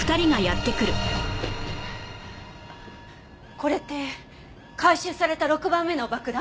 これって回収された６番目の爆弾？